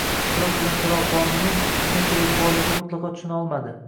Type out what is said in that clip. chiroq bilan charog‘bonining nima keragi borligiga mutlaqo tushuna olmadi.